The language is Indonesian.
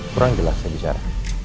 kurang jelas saya bicara